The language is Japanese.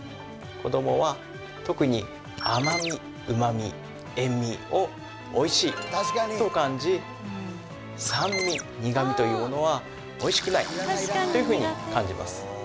子どもは特に甘味うま味塩味をおいしいと感じ酸味苦味というものはおいしくないというふうに感じます